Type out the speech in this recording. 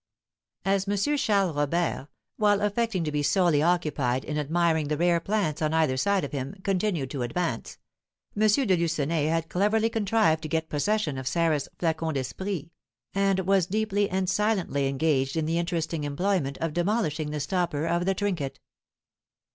As M. Charles Robert, while affecting to be solely occupied in admiring the rare plants on either side of him, continued to advance, M. de Lucenay had cleverly contrived to get possession of Sarah's flacon d'esprit, and was deeply and silently engaged in the interesting employment of demolishing the stopper of the trinket.